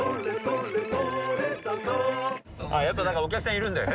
やっぱお客さんいるんだよね